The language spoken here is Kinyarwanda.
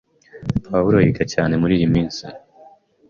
Pawulo yiga cyane muriyi minsi.